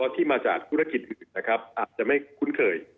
ที่มาจากธุรกิจอื่นนะครับอาจจะไม่คุ้นเคย